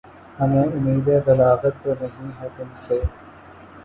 ہمیں اُمیدِ بلاغت تو نہیں ہے تُم سے